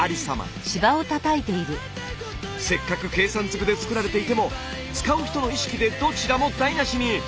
せっかく計算ずくで作られていても使う人の意識でどちらも台なしに！